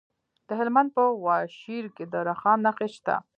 د هلمند په واشیر کې د رخام نښې شته.